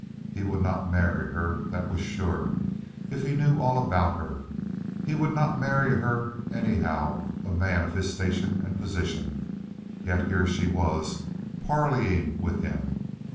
He would not marry her, that was sure, if he knew all about her. He would not marry her, anyhow, a man of his station and position. Yet here she was parleying with him.